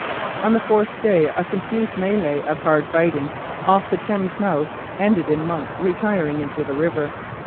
On the fourth day a confused mêlée of hard fighting off the Thames mouth ended in Monk retiring into the river.